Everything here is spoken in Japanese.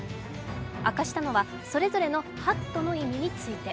明かしたのは、それぞれの「ハット」の意味について。